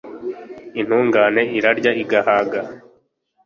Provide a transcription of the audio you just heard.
intungane irarya igahag